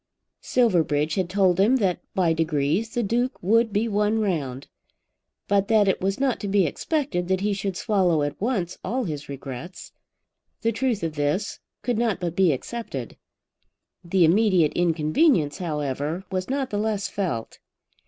Silverbridge had told him that by degrees the Duke would be won round, but that it was not to be expected that he should swallow at once all his regrets. The truth of this could not but be accepted. The immediate inconvenience, however, was not the less felt.